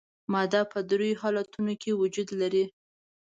ماده په درې حالتونو کې وجود لري.